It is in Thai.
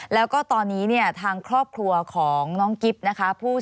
แล้วก็ตอนนี้เนี่ยทางครอบครัวของน้องกิ๊บนะคะ